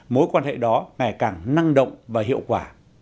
mối quan hệ đó ngày càng năng động và hiệu quả